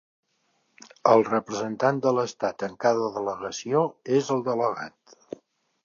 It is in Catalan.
El representant de l'Estat en cada delegació és el delegat.